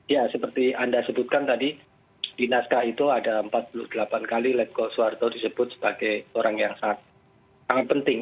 ya seperti anda sebutkan tadi di naskah itu ada empat puluh delapan kali letko soeharto disebut sebagai orang yang sangat penting